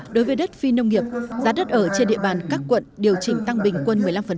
đối với đất phi nông nghiệp giá đất ở trên địa bàn các quận điều chỉnh tăng bình quân một mươi năm